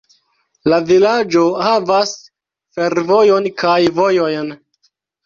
La vilaĝo havas fervojon kaj vojojn.